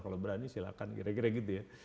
kalau berani silakan kira kira gitu ya